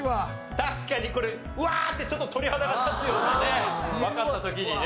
確かにこれ「うわー！」ってちょっと鳥肌が立つようなねわかった時にね。